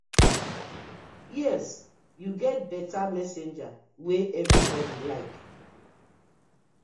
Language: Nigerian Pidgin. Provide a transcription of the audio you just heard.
Yes yu get betta messenger wey everybodi like.